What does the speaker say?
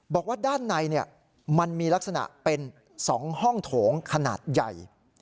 บอกว่าด้านในมันมีลักษณะเป็น๒ห้องโถงขนาดใหญ่